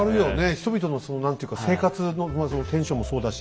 人々の何ていうか生活のテンションもそうだし。